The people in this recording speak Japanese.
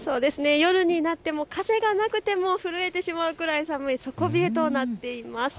夜になっても風がなくても震えてしまうくらい寒い、底冷えとなっています。